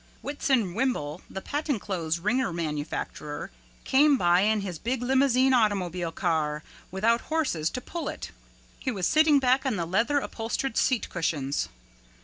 Whitson Whimble, the patent clothes wringer manufacturer, came by in his big limousine automobile car without horses to pull it. He was sitting back on the leather upholstered seat cushions.